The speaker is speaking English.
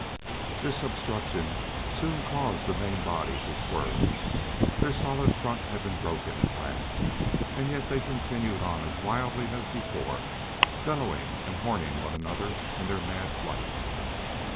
This obstruction soon caused the main body to swerve. Their solid front had been broken at last, yet they continued on as wildly as before, bellowing and horning one another in their mad flight.